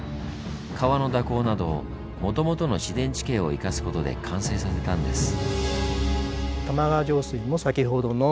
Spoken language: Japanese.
川の蛇行などもともとの自然地形を生かすことで完成させたんです。